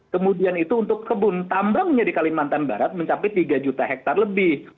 kemudian itu untuk kebun tambangnya di kalimantan barat mencapai tiga juta hektare lebih